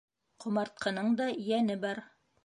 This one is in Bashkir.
Ҡомартҡының да йәне бар.